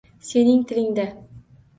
Sening tilingda.